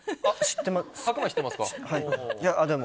あ、知ってます。